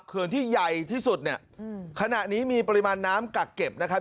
เขื่อนที่ใหญ่ที่สุดเนี่ยขณะนี้มีปริมาณน้ำกักเก็บนะครับ